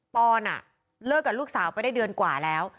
อนเลิกกับลูกสาวไปได้เดือนกว่าแล้ว